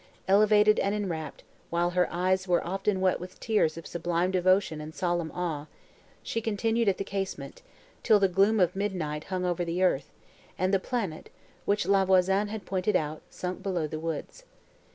Elevated and enwrapt, while her eyes were often wet with tears of sublime devotion and solemn awe, she continued at the casement, till the gloom of midnight hung over the earth, and the planet, which La Voisin had pointed out, sunk below the woods.